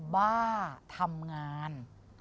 บ้าทำงาน